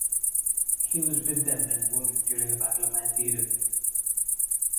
He was with them when wounded during the Battle of Antietam.